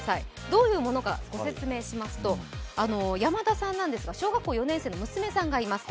どういうものか御説明しますと山田さんは小学校４年生の娘さんがいます。